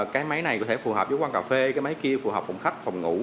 cái máy này có thể phù hợp với quang cà phê cái máy kia phù hợp cùng khách phòng ngủ